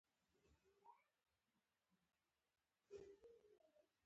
پلرونه مو در یاد کړئ چې په خره سپرېدل